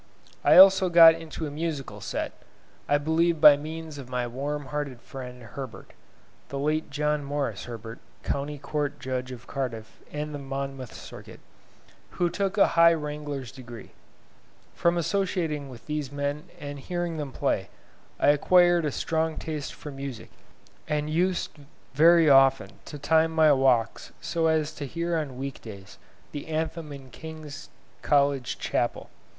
I also got into a musical set, I believe by means of my warm hearted friend, Herbert (The late John Maurice Herbert, County Court Judge of Cardiff and the Monmouth Circuit.), who took a high wrangler's degree. From associating with these men, and hearing them play, I acquired a strong taste for music, and used very often to time my walks so as to hear on week days the anthem in King's College Chapel.